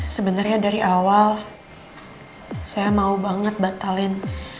sebenarnya dari awal saya mau banget batalin